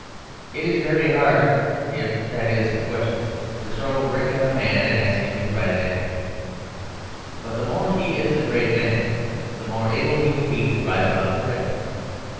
It is very hard (if that is the question) to throw a brick at a man and ask him to write an epic; but the more he is a great man the more able he will be to write about the brick.